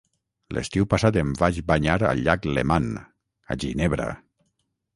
L'estiu passat em vaig banyar al llac Leman, a Ginebra.